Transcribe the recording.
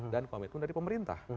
dan komitmen dari pemerintah